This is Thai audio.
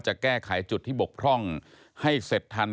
จะแก้ไขจุดที่บกพร่องให้เสร็จทัน